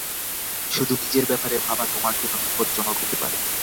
শুধু নিজের ব্যাপারে ভাবা তোমার জন্য বিপদজ্জনক হতে পারে।